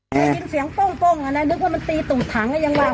เป็นเสียงป้งป้งอ่ะนะนึกว่ามันตีตูดถังไม่ยังว่าโห